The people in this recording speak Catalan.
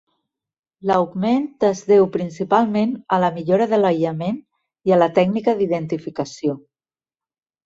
L"augment es deu principalment a la millora de l"aïllament i a la tècnica d"identificació.